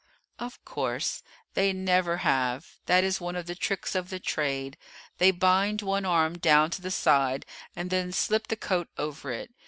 "Of course, they never have; that is one of the tricks of the trade. They bind one arm down to the side, and then slip the coat over it.